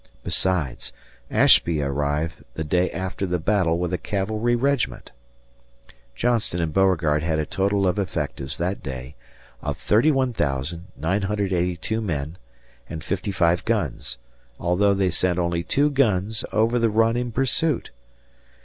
Besides, Ashby arrived the day after the battle with a cavalry regiment. Johnston and Beauregard had a total of effectives that day of 31,982 men and fifty five guns, although they sent only two guns over the Run in pursuit.